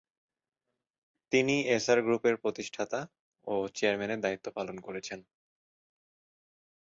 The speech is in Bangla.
তিনি এসআর গ্রুপের প্রতিষ্ঠাতা ও চেয়ারম্যানের দায়িত্ব পালন করছেন।